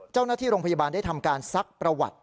เจ้าหน้าที่โรงพยาบาลได้ทำการซักประวัติ